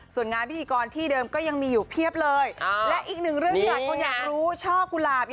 ส่วนงานพิธีกรที่เดิมก็ยังมีอยู่เพียบเลย